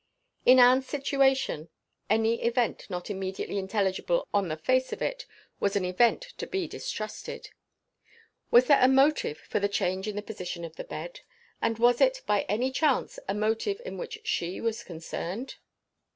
In Anne's situation, any event not immediately intelligible on the face of it, was an event to be distrusted. Was there a motive for the change in the position of the bed? And was it, by any chance, a motive in which she was concerned?